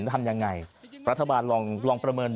ทำยังไงรัฐบาลลองประเมิน